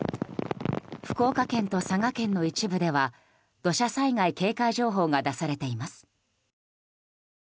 福岡県と佐賀県の一部では土砂災害警戒情報が出されています。